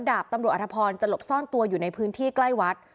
ดาบตำรวจอธพรจะหลบซ่อนตัวอยู่ในพื้นที่ใกล้วัด